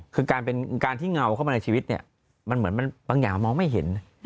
คือการเป็นการที่เงาเข้ามาในชีวิตเนี่ยมันเหมือนบางอย่างมองไม่เห็น